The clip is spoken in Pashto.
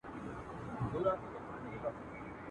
د ځنګله پاچا په ځان پوري حیران وو ..